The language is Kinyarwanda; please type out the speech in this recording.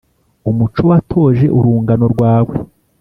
umuco watoje urungano rwawe